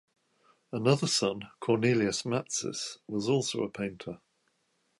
Another son, Cornelis Matsys, was also a painter.